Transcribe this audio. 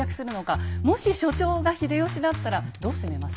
もし所長が秀吉だったらどう攻めます？